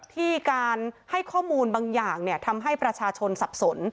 ที่การให้ข้อมูลบางอย่างทำให้ประชาชนสับสน